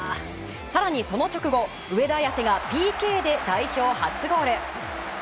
更に、その直後上田綺世がＰＫで代表初ゴール。